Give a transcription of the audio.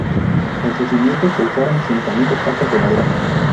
En sus cimientos se usaron cinco mil estacas de madera.